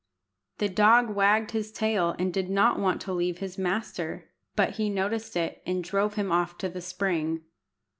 The dog wagged his tail and did not want to leave his master, but he noticed it, and drove him off to the spring.